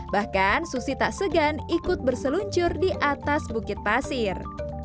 bahkan susi tak segan ikut berseluncur di atas bukit pasir